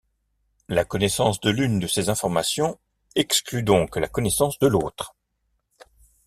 La connaissance de l'une de ces informations exclut donc la connaissance de l'autre.